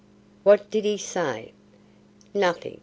"What did he say?" "Nothing.